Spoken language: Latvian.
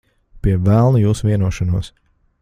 Pie velna jūsu vienošanos.